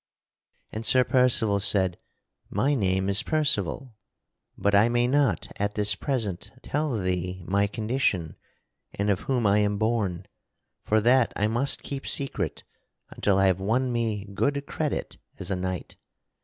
And Sir Percival said: "My name is Percival, but I may not at this present tell thee my condition and of whom I am born; for that I must keep secret until I have won me good credit as a knight.